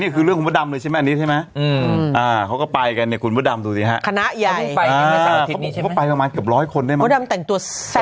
คุณพระดำเขาเกิดตั้งแต่ขุดที่แล้ว